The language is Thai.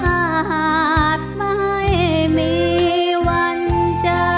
หากไม่มีวันเจอ